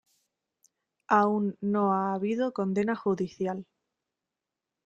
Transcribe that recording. Aún no ha habido condena judicial.